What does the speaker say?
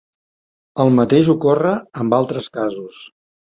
El mateix ocorre amb altres casos.